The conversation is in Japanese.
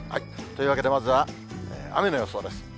というわけで、まずは雨の予想です。